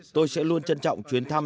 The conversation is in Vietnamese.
tôi sẽ luôn trân trọng chuyến thăm